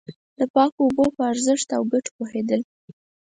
د پاکو اوبو په ارزښت او گټو پوهېدل.